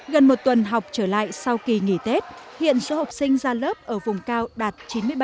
gần một tuần học trở lại sau kỳ nghỉ tết hiện số học sinh ra lớp ở vùng cao đạt chín mươi ba